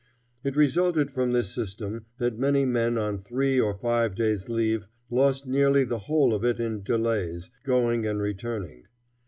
It resulted from this system that many men on three or five days' leave lost nearly the whole of it in delays, going and returning.